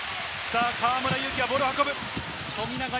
河村勇輝がボールを運ぶ。